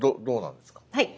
はい。